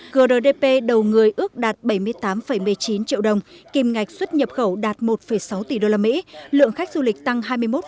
grdp đầu người ước đạt bảy mươi tám một mươi chín triệu đồng kim ngạch xuất nhập khẩu đạt một sáu tỷ đô la mỹ lượng khách du lịch tăng hai mươi một bốn